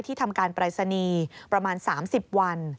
ทำการปรายศนีย์ประมาณ๓๐วัน